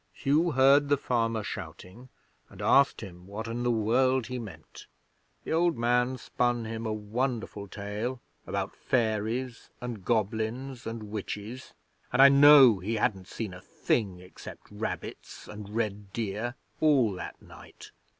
Hugh heard the farmer shouting, and asked him what in the world he meant. The old man spun him a wonderful tale about fairies and goblins and witches; and I know he hadn't seen a thing except rabbits and red deer all that night.